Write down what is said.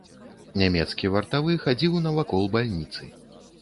Нямецкі вартавы хадзіў навакол бальніцы.